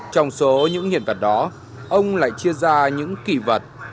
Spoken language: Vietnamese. trong số những hiện vật đó ông lại chia ra những kỷ vật